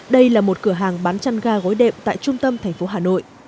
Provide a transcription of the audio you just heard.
đây là một cửa hàng bán chăn ga gối đệm tại trung tâm thành phố hà nội